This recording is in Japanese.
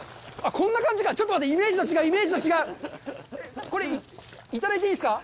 こんな感じかちょっと待ってイメージと違うイメージと違うこれ頂いていいんすか？